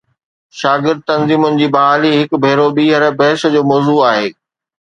شاگرد تنظيمن جي بحالي هڪ ڀيرو ٻيهر بحث جو موضوع آهي.